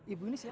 ibu ini siapa